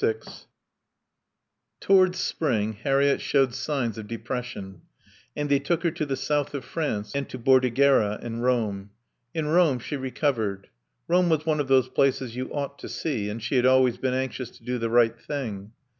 VI Towards spring Harriett showed signs of depression, and they took her to the south of France and to Bordighera and Rome. In Rome she recovered. Rome was one of those places you ought to see; she had always been anxious to do the right thing.